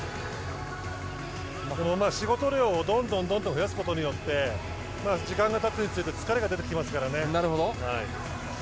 仕事量をどんどんと増やすことによって時間が経つにつれて疲れが出てきますからね。